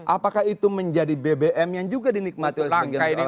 apakah itu menjadi bbm yang juga dinikmati oleh sebagian besar